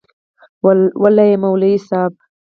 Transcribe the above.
وله یی مولوی صیب.